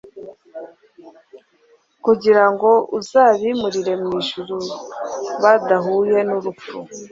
kugira ngo azabimurire mu ijuru badahuye n'urupfu